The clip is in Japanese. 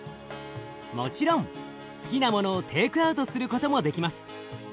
もちろん好きなものをテークアウトすることもできます。